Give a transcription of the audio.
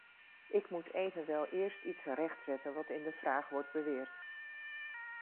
Ik moet evenwel eerst iets rechtzetten wat in de vraag wordt beweerd.